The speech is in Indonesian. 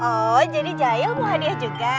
oh jadi jahil mau hadiah juga